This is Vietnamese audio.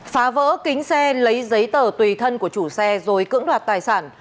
phá vỡ kính xe lấy giấy tờ tùy thân của chủ xe rồi cưỡng đoạt tài sản